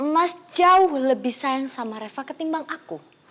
mas jauh lebih sayang sama reva ketimbang aku